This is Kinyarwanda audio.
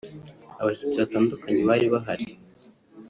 Abashyitsi batandukanye bari bahari